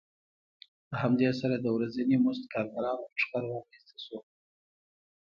په همدې سره د ورځني مزد کارګرانو لښکر رامنځته شو